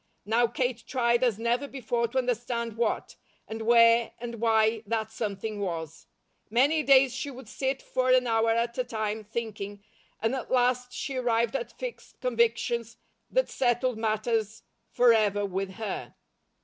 Now Kate tried as never before to understand what, and where, and why, that "something" was. Many days she would sit for an hour at a time, thinking, and at last she arrived at fixed convictions that settled matters forever with her.